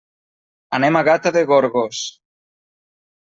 Anem a Gata de Gorgos.